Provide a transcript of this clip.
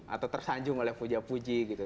atau tersanjung oleh puja puji gitu